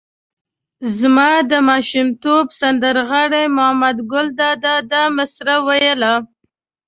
زما د ماشومتوب سندر غاړي محمد ګل دادا دا مسره ویله.